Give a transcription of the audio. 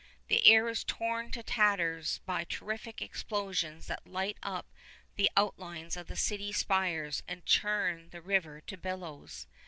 The air is torn to tatters by terrific explosions that light up the outlines of the city spires and churn the river to billows.